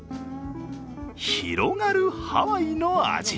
広がるハワイの味。